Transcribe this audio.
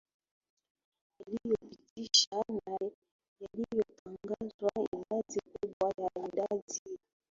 yaliyopitishwa na yaliyotangazwa Idadi kubwa ya idadi ya